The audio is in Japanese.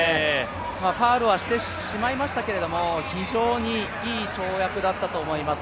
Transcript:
ファウルはしてしまいましたけれども、非常にいい跳躍だったと思います。